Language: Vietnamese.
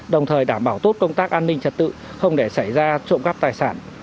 đồng thời đảm bảo tốt công tác an ninh trật tự không để xảy ra trộm cắp tài sản